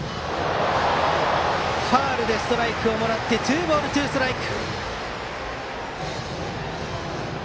ファウルでストライクをもらってツーボールツーストライク。